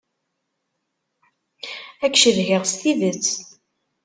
Ad k-cedhiɣ s tidet.